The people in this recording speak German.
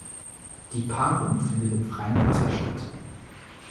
Die Paarung findet im freien Wasser statt.